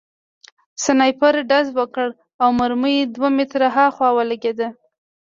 سنایپر ډز وکړ او مرمۍ دوه متره هاخوا ولګېده